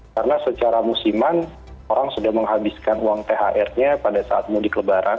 karena secara musiman orang sudah menghabiskan uang thr nya pada saat mudik lebaran